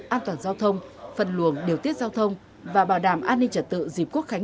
an toàn giao thông phân luồng điều tiết giao thông và bảo đảm an ninh trật tự dịp quốc khánh